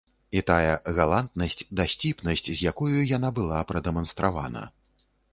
І тая галантнасць, дасціпнасць, з якою яна была прадэманстравана.